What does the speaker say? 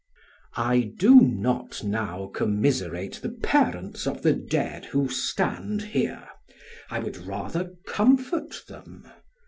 "I do not now commiserate the parents of the dead who stand here; I would rather comfort them.